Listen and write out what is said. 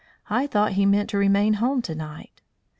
"I thought he meant to remain home to night."